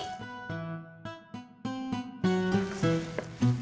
tati kan anaknya emak